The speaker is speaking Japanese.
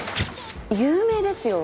有名ですよ。